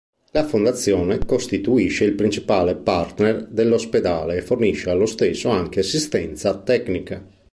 La Fondazione costituisce il principale partner dell'ospedale e fornisce allo stesso anche assistenza tecnica.